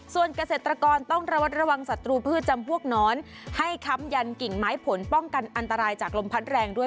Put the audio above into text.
ส่วนเกษตรกรต้องระวัดระวังศัตรูพืชจำพวกน้อนให้ค้ำยันกิ่งไม้ผลป้องกันอันตรายจากลมพัดแรงด้วย